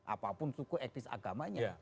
apapun suku etnis agamanya